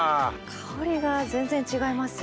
香りが全然違います。